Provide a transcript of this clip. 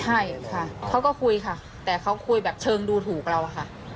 ใช่ค่ะเขาก็คุยค่ะแต่เขาคุยแบบเชิงดูถูกเราอะค่ะ